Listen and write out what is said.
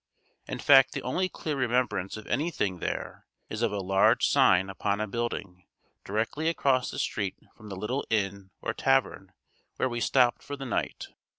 In fact the only clear remembrance of anything there, is of a large sign upon a building directly across the street from the little inn or tavern where we stopped for the night.